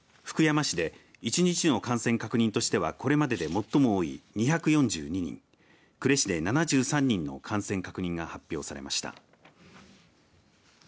福山市で１日の感染確認としてはこれまでで最も多い２４２人呉市で７３人の感染確認が発表されました。